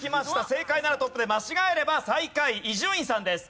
正解ならトップで間違えれば最下位伊集院さんです。